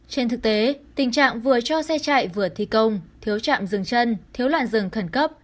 trên thực tế tình trạng vừa cho xe chạy vừa thi công thiếu chạm dừng chân thiếu làn dừng khẩn cấp